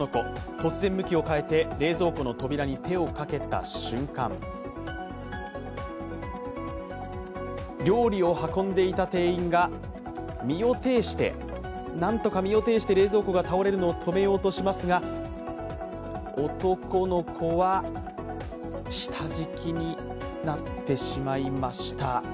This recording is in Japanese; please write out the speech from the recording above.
突然、向きを変えて、冷蔵庫の扉に手をかけた瞬間料理を運んでいた店員がなんとか身をていして冷蔵庫が倒れるのを止めようとしますが、男の子は下敷きになってしまいました。